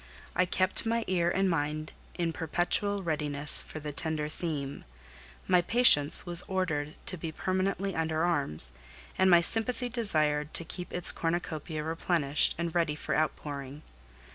I kept my ear and mind in perpetual readiness for the tender theme; my patience was ordered to be permanently under arms, and my sympathy desired to keep its cornucopia replenished and ready for outpouring.